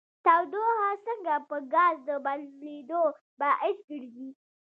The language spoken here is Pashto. تودوخه څنګه په ګاز د بدلیدو باعث ګرځي؟